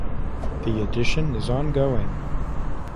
The edition is ongoing.